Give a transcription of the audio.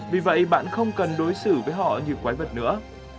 vì vậy bạn không cần đối xử với họ như quái vật nữa